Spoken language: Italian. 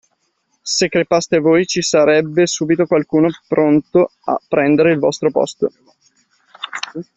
Se crepaste voi, ci sarebbe subito qualcuno pronto a prendere il vostro posto!